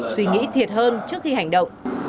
suy nghĩ thiệt hơn trước khi hành động